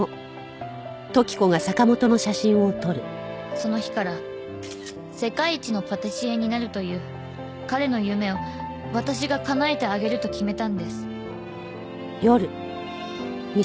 その日から世界一のパティシエになるという彼の夢を私が叶えてあげると決めたんです。